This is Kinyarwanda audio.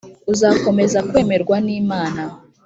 uzakomeza kwemerwa n’Imana